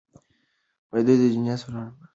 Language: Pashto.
دوی د دنیا څلورمه برخه نه وه نیولې.